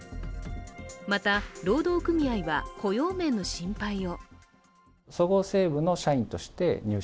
また、労働組合は雇用面の心配を。